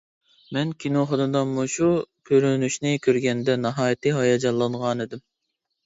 مەن كىنوخانىدا مۇشۇ كۆرۈنۈشنى كۆرگەندە ناھايىتى ھاياجانلانغانىدىم.